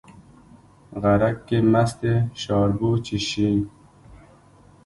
غرک کې مستې شاربو، چې شي